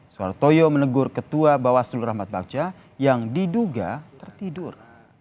suhartoyo menegur ketua bawas lurahmat bakca yang diduga tertidur